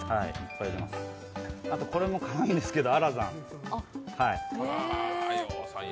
あとこれもかわいいんですけどアラザン。